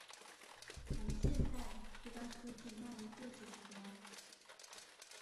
我们现在就将科技纳入故事之中。